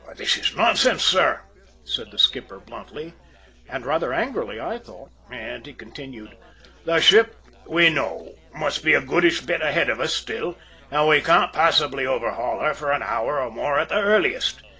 "This is nonsense, sir," said the skipper bluntly, and rather angrily, I thought, and he continued: "The ship, we know, must be a goodish bit ahead of us still, and we can't possibly overhaul her for an hour or more at the earliest.